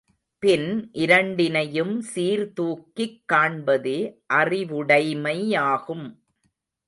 பின் இரண்டினையும் சீர்தூக்கிக் காண்பதே அறிவுடைமையாகும்.